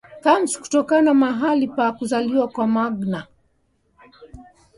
Thames kutoka mahali pa kuzaliwa kwa Magna